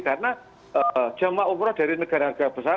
karena jamaah umroh dari negara negara besar